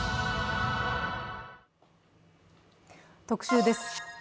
特集です。